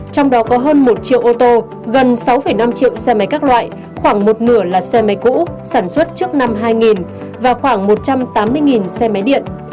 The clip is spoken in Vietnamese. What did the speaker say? trong đó có hơn một triệu ô tô gần sáu năm triệu xe máy các loại khoảng một nửa là xe máy cũ sản xuất trước năm hai nghìn và khoảng một trăm tám mươi xe máy điện